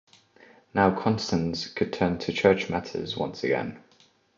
Now Constans could turn to church matters once again.